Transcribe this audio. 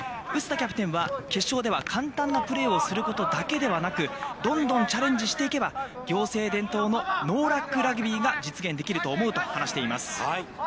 薄田キャプテンは、決勝では簡単なプレーをすることだけではなく、どんどんチャレンジしていけば仰星伝統のノーラックラグビーが実現できると思うと話しています。